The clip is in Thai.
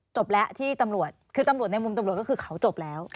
จบแล้วที่ตำรวจคือตำรวจในมุมตำรวจก็คือเขาจบแล้ว